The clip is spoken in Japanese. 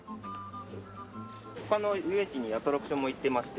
他の遊園地にアトラクションも行ってまして。